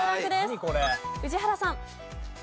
宇治原さん。